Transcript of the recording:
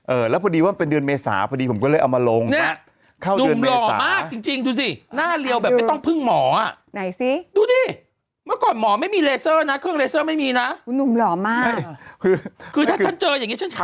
เอสุภชัยก็ไม่แต่งไม่เอของเอก็ไม่แต่งไม่ได้ไม่แต่งนะ